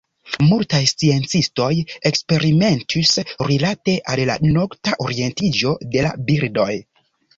Multaj sciencistoj eksperimentis rilate al la nokta orientiĝo de la birdoj.